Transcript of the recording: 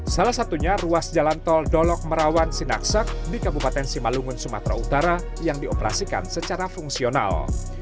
salah satunya ruas jalan tol dolok merawan sinaksak di kabupaten simalungun sumatera utara yang dioperasikan secara fungsional